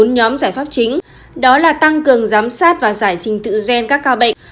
bốn nhóm giải pháp chính đó là tăng cường giám sát và giải trình tự gen các ca bệnh